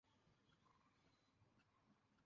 তুমি কী করতে চাও?